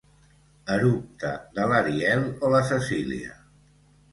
Eructe de l'Ariel o la Cecília.